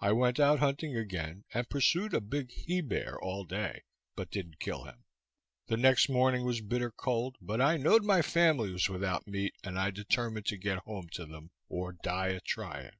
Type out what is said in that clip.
I went out hunting again, and pursued a big he bear all day, but didn't kill him. The next morning was bitter cold, but I knowed my family was without meat, and I determined to get home to them, or die a trying.